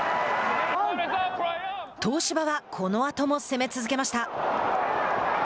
東芝はこのあとも攻め続けました。